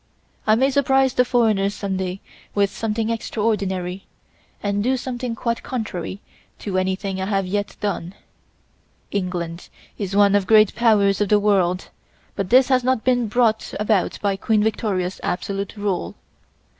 I may surprise the foreigners some day with something extraordinary and do something quite contrary to anything I have yet done. England is one of great powers of the world, but this has not been brought about by Queen Victoria's absolute rule.